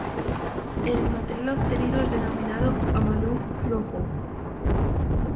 El material obtenido es denominado "amadou rojo".